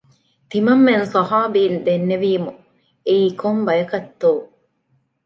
ތިމަންމެން ޞަޙާބީން ދެންނެވީމު، އެއީ ކޮން ބަޔަކަށްތޯ